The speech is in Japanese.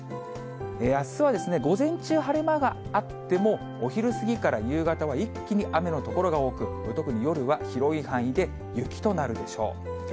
あすは午前中、晴れ間があっても、お昼過ぎから夕方は一気に雨の所が多く、特に夜は広い範囲で雪となるでしょう。